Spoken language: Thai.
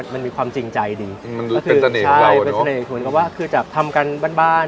มันมีความจริงใจดีมันเป็นเสน่ห์ของเรามันก็ว่าคือจะทำกันบ้านบ้าน